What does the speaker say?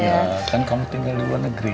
iya dan kamu tinggal di luar negeri